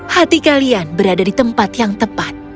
hati kalian berada di tempat yang tepat